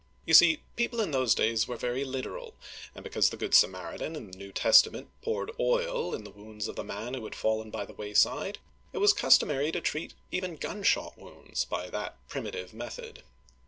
You see, people in those days were very lit eral, and because the good Samaritan in the New Testa ment poured oil in the wounds of the man who had fallen by the wayside, it was customary to treat even gunshot wounds by that primitive method.